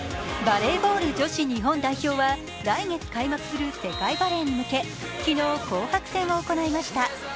バレーボール女子日本代表は来月開幕する世界バレーに向け昨日、紅白戦を行いました。